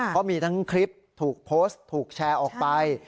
เพราะมีทั้งคลิปถูกโพสต์ถูกแชร์ออกไป